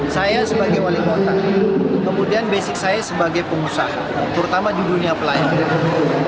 saya sebagai wali kota kemudian basic saya sebagai pengusaha terutama di dunia pelayanan